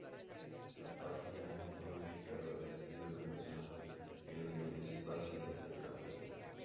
Si la página fue modificada, se escribe la misma en el espacio de intercambio.